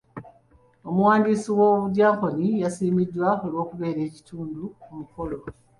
Omuwandiisi w'obudyankoni yasiimiddwa olw'okubeera ekitundu ku mukolo.